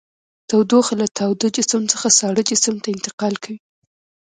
تودوخه له تاوده جسم څخه ساړه جسم ته انتقال کوي.